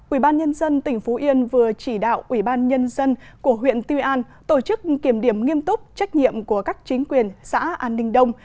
ủy ban nhân dân tỉnh phú yên vừa chỉ đạo ủy ban nhân dân của huyện tuy an tổ chức kiểm điểm nghiêm túc trách nhiệm của các chính quyền xã an ninh đông